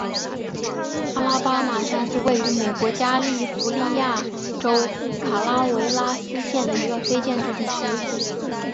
阿拉巴马山是位于美国加利福尼亚州卡拉韦拉斯县的一个非建制地区。